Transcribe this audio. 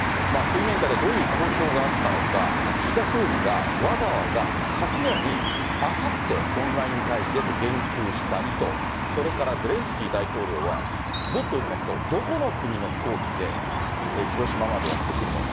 水面下でどういう交渉があったのか、岸田総理がわざわざ昨夜に、あさってオンライン会議でと言及した意図、それからゼレンスキー大統領はもっといいますと、どこの国の飛行機で広島までやって来るのか。